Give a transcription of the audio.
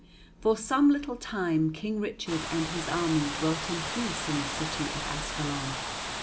For some little time, King Richard and his army dwelt in peace in the city of Ascalon.